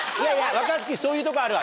若槻そういうとこあるわ。